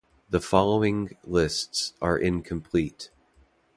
The following lists are incomplete.